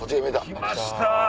来ました！